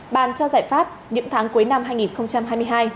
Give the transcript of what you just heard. bàn cho giải pháp những tháng cuối năm hai nghìn hai mươi hai